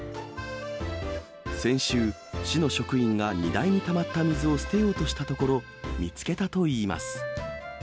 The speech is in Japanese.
先週、市の職員が荷台にたまった水を捨てようとしたところ、見つけたといいます。